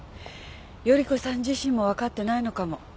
依子さん自身も分かってないのかも。